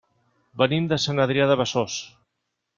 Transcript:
Venim de Sant Adrià de Besòs.